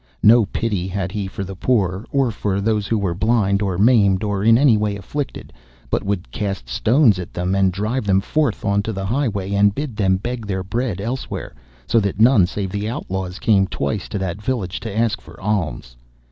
No pity had he for the poor, or for those who were blind or maimed or in any way afflicted, but would cast stones at them and drive them forth on to the highway, and bid them beg their bread elsewhere, so that none save the outlaws came twice to that village to ask for alms.